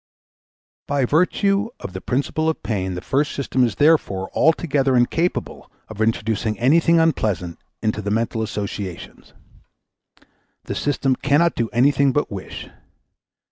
By virtue of the principle of pain the first system is therefore altogether incapable of introducing anything unpleasant into the mental associations. The system cannot do anything but wish.